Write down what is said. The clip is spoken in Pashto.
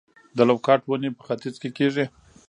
د لوکاټ ونې په ختیځ کې کیږي؟